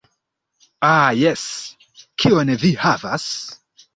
Ah jes, kion vi havas?